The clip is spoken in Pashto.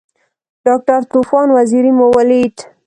ډاکټر طوفان وزیری مو ولید.